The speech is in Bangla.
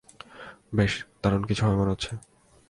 বেশ, দারুণ কিছু হবে মনে হচ্ছে।